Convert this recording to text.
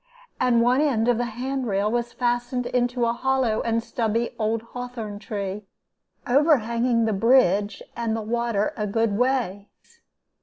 And one end of the handrail was fastened into a hollow and stubby old hawthorn tree, overhanging the bridge and the water a good way.